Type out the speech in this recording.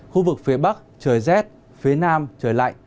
khu vực phía bắc trời rét phía nam trời lạnh